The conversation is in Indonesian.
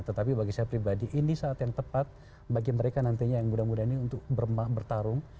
tetapi bagi saya pribadi ini saat yang tepat bagi mereka nantinya yang mudah mudahan ini untuk bertarung